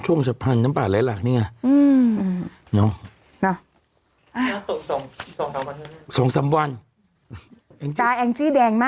สองสำวาง